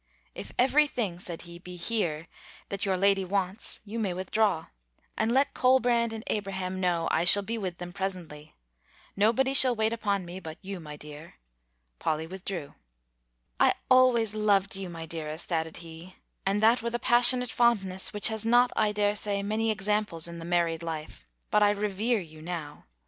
"If every thing," said he, "be here, that your lady wants, you may withdraw; and let Colbrand and Abraham know I shall be with them presently. Nobody shall wait upon me but you, my dear." Polly withdrew. "I always loved you, my dearest," added he, "and that with a passionate fondness, which has not, I dare say, many examples in the married life: but I revere you now.